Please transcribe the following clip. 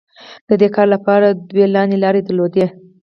د دې کار لپاره دوی لاندې لارې درلودې.